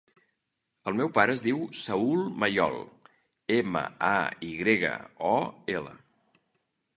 El meu pare es diu Saül Mayol: ema, a, i grega, o, ela.